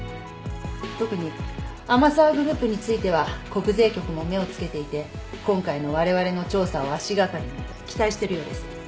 特に天沢グループについては国税局も目を付けていて今回のわれわれの調査を足掛かりに期待してるようです。